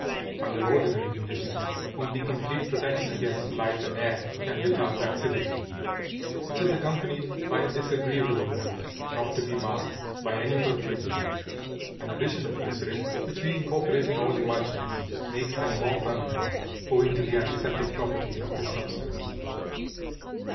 Under ordinary conditions, only complete protection against light and air can retard rancidity, which is accompanied by a disagreeable odor not to be masked by any perfume; an addition of glycerin, which we incorporate in all emulsions, makes them more permanent owing to the antiseptic property of this substance.